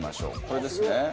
これですね。